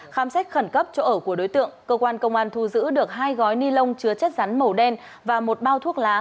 khám sách khẩn cấp chỗ ở của đối tượng công an thu giữ được hai gói ni lông chứa chất rắn màu đen và một bao thuốc lá